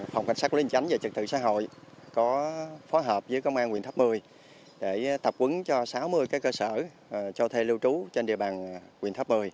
phòng cảnh sát linh chánh và trực tự xã hội có phó hợp với công an huyện tháp một mươi để tập quấn cho sáu mươi cơ sở cho thê lưu trú trên địa bàn huyện tháp một mươi